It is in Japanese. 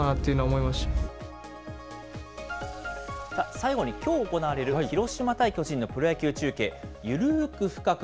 最後にきょう行われる広島対巨人のプロ野球中継、ゆるく深く！